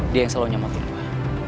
dia yang selalu nyelamatin gue